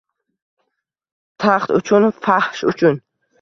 Taxt uchun, fahsh uchun